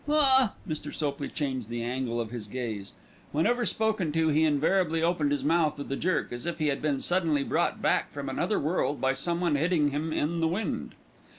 "Ha!" Mr. Sopley changed the angle of his gaze. Whenever spoken to he invariably opened his mouth with a jerk, as if he had been suddenly brought back from another world by someone hitting him in the wind.